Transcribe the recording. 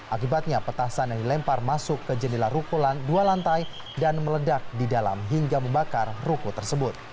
akibatnya petasan yang dilempar masuk ke jendela rukulan dua lantai dan meledak di dalam hingga membakar ruko tersebut